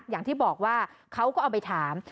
อย่างที่บอกว่าเขาก็เอาไปถาม